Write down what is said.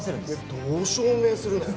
どう証明するの？